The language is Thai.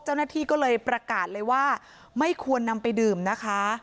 เจ้าหน้าที่ก็เลยประกาศเลยว่าไม่ควรนำไปดื่มนะคะ